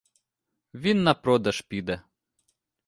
Він на продаж піде.